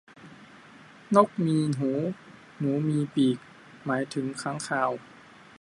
นกมีหูหนูมีปีก หมายถึงค้างคาว